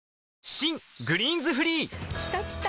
新「グリーンズフリー」きたきた！